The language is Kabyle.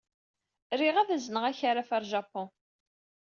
Riɣ ad azneɣ akaraf ɣef Japun.